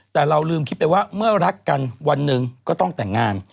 แต่เราลืมคิดไปว่าเมื่อรักกันวันหนึ่งก็ต้องแต่งงาน